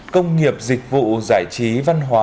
công nghiệp dịch vụ giải trí văn hóa